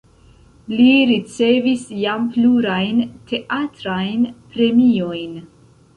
Li ricevis jam plurajn teatrajn premiojn.